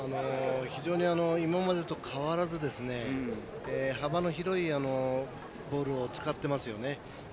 非常に今までと変わらず幅の広いボールを使ってますよね。